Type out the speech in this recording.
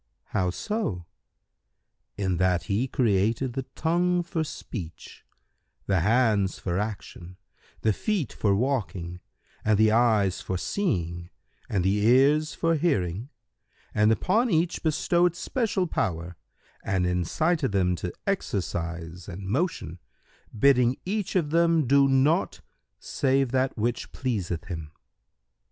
Q "How so?"—"In that He created the Tongue for speech, the Hands for action, the Feet for walking and the Eyes for seeing and the Ears for hearing, and upon each bestowed especial power and incited them to exercise and motion, bidding each of them do naught save that which pleaseth Him.